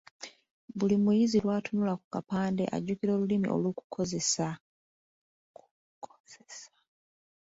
Buli muyizi lw’atunula ku kapande ajjukira Olulimi olw’okukozesa.